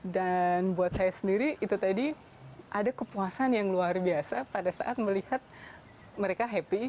dan buat saya sendiri itu tadi ada kepuasan yang luar biasa pada saat melihat mereka happy